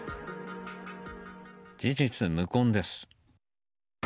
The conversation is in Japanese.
事実無根です。